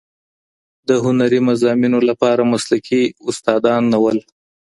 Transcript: د هنري مضامینو لپاره مسلکي استادان نه وو.